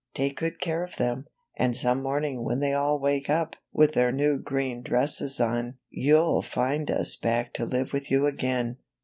Take good care of them, and some morning when they all wake up with their new green dresses on youT find us back to live with you again.